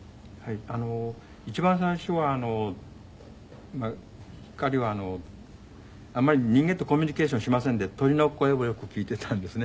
一番最初は彼はあまり人間とコミュニケーションしませんで鳥の声をよく聞いてたんですね。